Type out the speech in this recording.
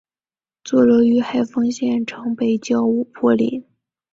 坐落于海丰县城北郊五坡岭。